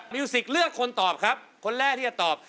มิวสิกเลือกคนตอบครับคนแรกที่จะตอบ